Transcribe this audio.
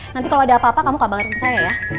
nanti kalau ada apa apa kamu kabarkan saya ya